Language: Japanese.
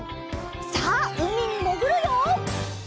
さあうみにもぐるよ！